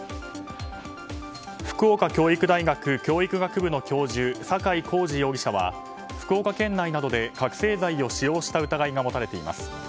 福岡教育大学教育学部の教授坂井孝次容疑者は福岡県内などで、覚醒剤を使用した疑いが持たれています。